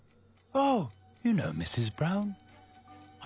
ああ！